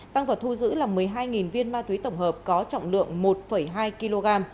tăng vật thu giữ là một mươi hai viên ma túy tổng hợp có trọng lượng một hai kg